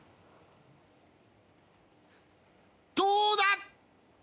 どうだ！？